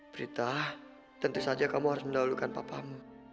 berita tentu saja kamu harus mendahulukan papamu